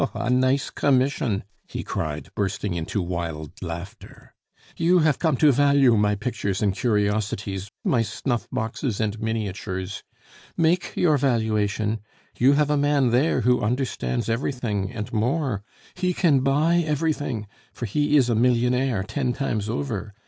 Oh! a nice commission!" he cried, bursting into wild laughter. "You have come to value my pictures and curiosities, my snuff boxes and miniatures!... Make your valuation. You have a man there who understands everything, and more he can buy everything, for he is a millionaire ten times over....